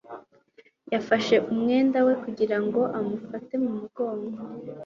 yafashe umwenda we kugira ngo amufate mu mugongo